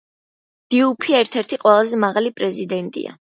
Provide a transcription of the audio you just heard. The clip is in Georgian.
დიუფი ერთ-ერთი ყველაზე მაღალი პრეზიდენტია.